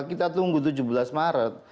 kita tunggu tujuh belas maret